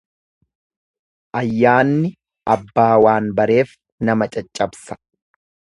Ayyaanni abbaa waan bareef nama caccabsa.